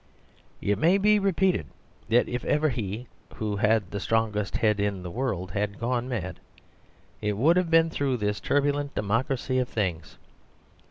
It may be repeated, that if ever he who had the strongest head in the world had gone mad, it would have been through this turbulent democracy of things.